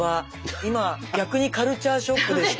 今逆にカルチャーショックでした。